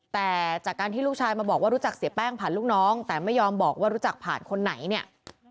แต่จากการที่ลูกชายมาบอกว่ารู้จักเสียแป้งผ่านลูกน้องแต่ไม่ยอมบอกว่ารู้จักผ่านคนไหนเนี่ย